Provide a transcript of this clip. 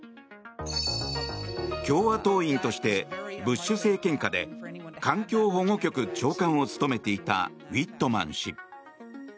共和党員としてブッシュ政権下で環境保護局長官を務めていたウィットマン氏。